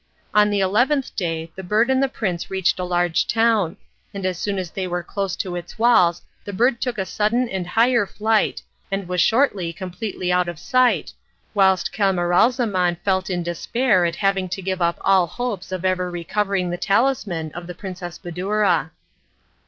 On the eleventh day the bird and the prince reached a large town, and as soon as they were close to its walls the bird took a sudden and higher flight and was shortly completely out of sight, whilst Camaralzaman felt in despair at having to give up all hopes of ever recovering the talisman of the Princess Badoura.